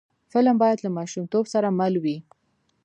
فلم باید له ماشومتوب سره مل وي